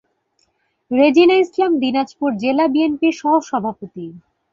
রেজিনা ইসলাম দিনাজপুর জেলা বিএনপির সহসভাপতি।